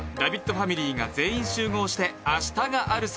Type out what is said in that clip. ファミリーが全員集合して「明日があるさ」。